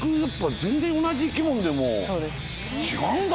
全然同じ生き物でも違うんだね。